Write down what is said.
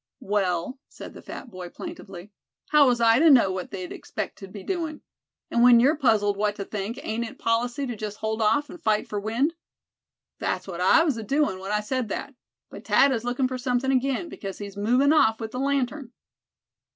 "Well," said the fat boy plaintively, "How was I to know what they'd expect to be doin'? And when you're puzzled what to think, ain't it policy to just hold off, and fight for wind? That's what I was adoin' when I said that. But Thad is lookin' for something again, because he's movin' off with the lantern."